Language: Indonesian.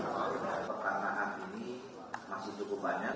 perkaraan ini masih cukup banyak